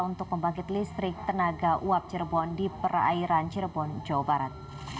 untuk membangkit listrik tenaga uap cirebon di perairan cirebon jawa barat